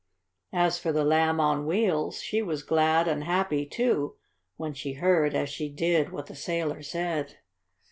As for the Lamb on Wheels, she was glad and happy, too, when she heard, as she did, what the sailor said.